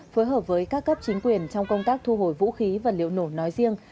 phối hợp với các cấp chính quyền trong công tác thu hồi vũ khí vật liệu nộp nói riêng